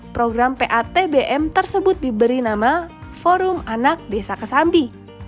program patbm tersebut diberi nama forum anak desa kesampi